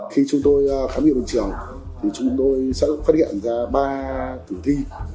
khi chúng tôi khám nghiệm hiện trường thì chúng tôi sẽ phát hiện ra ba tử thi